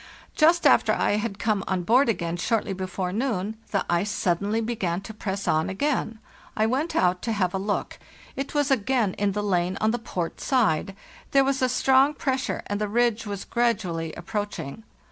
Just after I had come on board again short ly before noon the ice suddenly began to press on again. I went out to have a look; it was again in the lane on the port side; there was a strong pressure, and the ridge was gradually approaching.